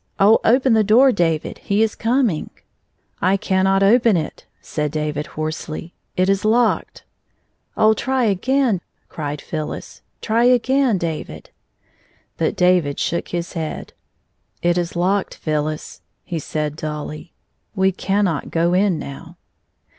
"Oh, open the door, David, he is coming.'* i6o *' I cannot open it," said David, hoarsely. " It is locked." "Oh, try again," cried PhyUis. "Try again, David." But David shook his head. It is locked, Phyllis," said he, dully. " We cannot go in now."